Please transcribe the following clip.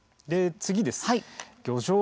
次です。